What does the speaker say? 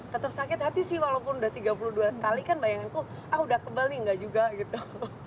tetap sakit hati sih walaupun udah tiga puluh dua kali kan bayanganku ah udah kebal nih enggak juga gitu